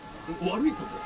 「悪いこと？」。